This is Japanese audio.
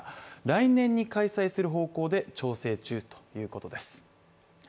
来年に開催する方向で調整中ということです。